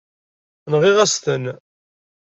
Nɣiɣ-as-ten.